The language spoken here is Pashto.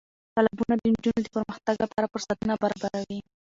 تالابونه د نجونو د پرمختګ لپاره فرصتونه برابروي.